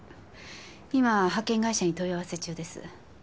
今派遣会社に問い合わせ中です。